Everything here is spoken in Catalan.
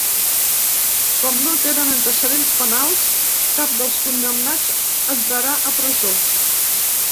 Com no tenen antecedents penals, cap dels condemnats entrarà a presó.